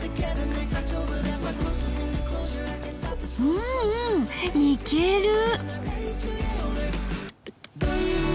うんうんいける。